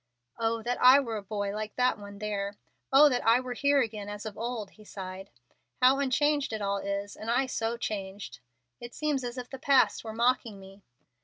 "Oh that I were a boy like that one there! Oh that I were here again as of old!" he sighed. "How unchanged it all is, and I so changed! It seems as if the past were mocking me.